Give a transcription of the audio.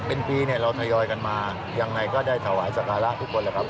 เป็นปีเนี่ยเราทยอยกันมายังไงก็ได้ถวายสการะทุกคนแหละครับ